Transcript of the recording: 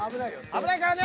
危ないからね！